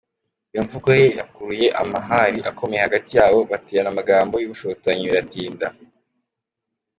Iyo mvugo ye yakuruye amahari akomeye hagati yabo, baterana amagambo y’ubushotoranyi biratinda.